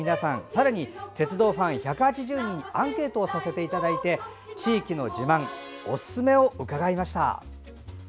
さらに、鉄道ファン１８０人にアンケートをさせていただいて地域の自慢おすすめを伺いました。